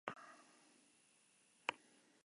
Georgia es un antiguo miembro.